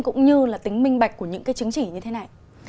cũng như là tính minh bạch của những cái chứng chỉ như thế này